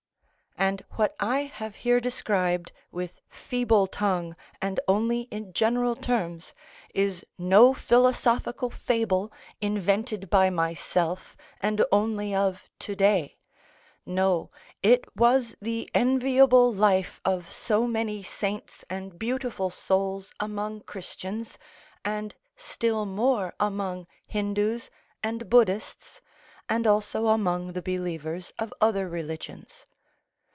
And what I have here described with feeble tongue and only in general terms, is no philosophical fable, invented by myself, and only of to day; no, it was the enviable life of so many saints and beautiful souls among Christians, and still more among Hindus and Buddhists, and also among the believers of other religions.